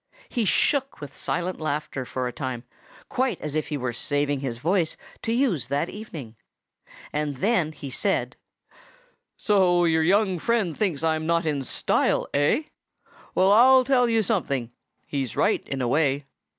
He shook with silent laughter for a time, quite as if he were saving his voice to use that evening. And then he said: "So your young friend thinks I'm not in style, eh? ... Well, I'll tell you something: he's right, in a way.